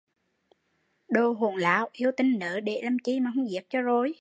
Đồ hỗn láo yêu tinh nớ để làm chi mà không giết cho rồi